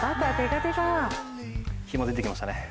日も出てきましたね。